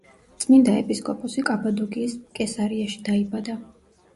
წმინდა ეპისკოპოსი კაბადოკიის კესარიაში დაიბადა.